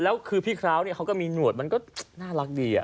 แล้วคือพี่คร้าวเขาก็มีหนวดมันก็น่ารักดี